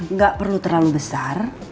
enggak perlu terlalu besar